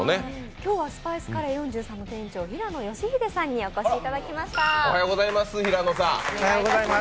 今日はスパイスカレー４３の店長、平野栄秀さんにお越しいただきました。